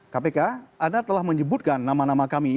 kpk anda telah menyebutkan nama nama kami